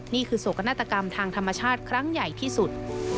นี่คือศักดิ์นัตรกรรมทางธรรมชาติครั้งใหญ่ที่สุด